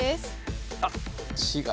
あっ。